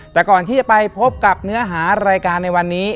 แต่ก่อนที่จะไปพบกับเนื้อหารายการในวันนี้